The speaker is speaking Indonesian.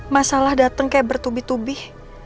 masalah dateng kayak bertubih tubih